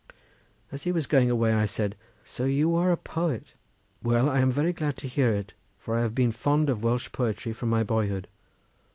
As he was going away, I said, "So you are a poet. Well, I am very glad to hear it, for I have been fond of Welsh poetry from my boyhood.